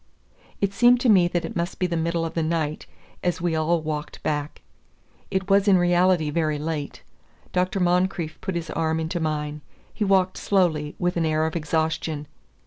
It seemed to me that it must be the middle of the night, as we all walked back. It was in reality very late. Dr. Moncrieff put his arm into mine. He walked slowly, with an air of exhaustion.